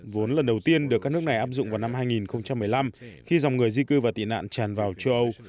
vốn lần đầu tiên được các nước này áp dụng vào năm hai nghìn một mươi năm khi dòng người di cư và tị nạn tràn vào châu âu